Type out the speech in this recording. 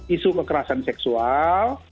isu kekerasan seksual